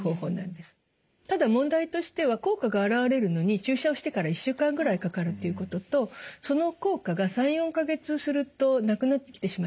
ただ問題としては効果があらわれるのに注射をしてから１週間ぐらいかかるっていうこととその効果が３４か月するとなくなってきてしまいます。